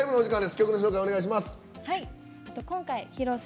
曲紹介お願いします。